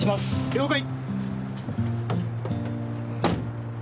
了解。